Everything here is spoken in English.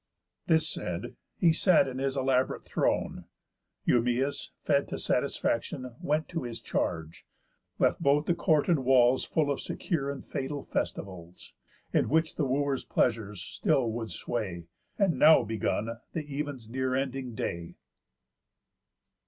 This said, he sat in his elaborate throne. Eumæus (fed to satisfaction) Went to his charge, left both the court and walls Full of secure and fatal festivals, In which the Wooers' pleasures still would sway. And now begun the even's near ending day.